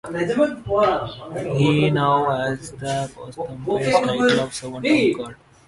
He now has the posthumous title of Servant of God.